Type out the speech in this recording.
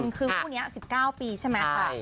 คือคู่นี้๑๙ปีใช่ไหมค่ะ